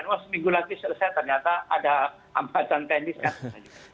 wah seminggu lagi selesai ternyata ada ambasan teknis kan